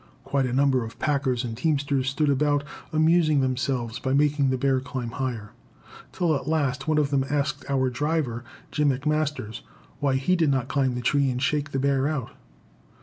Quite a number of packers and teamsters stood about, amusing themselves by making the bear climb higher, till at last one of them asked our driver, Jim McMasters, why he did not climb the tree and shake the bear out.